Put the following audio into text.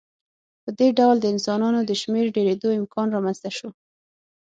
په دې ډول د انسانانو د شمېر ډېرېدو امکان رامنځته شو.